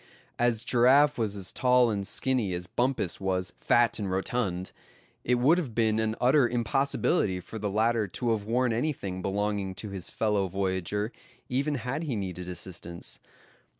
As Giraffe was as tall and skinny as Bumpus was fat and rotund, it would have been an utter impossibility for the latter to have worn anything belonging to his fellow voyager, even had he needed assistance.